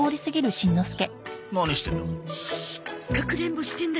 何してんだ？